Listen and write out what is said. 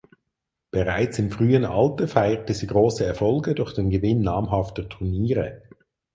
Bereits im frühen Alter feierte sie große Erfolge durch den Gewinn namhafter Turniere.